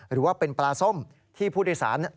หรือว่าเป็นปลาส้มที่ผู้โดยสารลืมทิ้งไว้